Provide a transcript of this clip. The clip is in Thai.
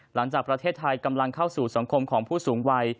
หลังจากประเทศไทยกำลังเข้าสู่สังคมของผู้สูงวัย